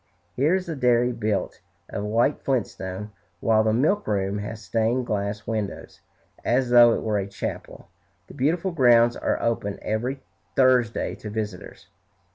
Here is the dairy built of white flintstone, while the milkroom has stained glass windows, as though it were a chapel. The beautiful grounds are open every Thursday to visitors.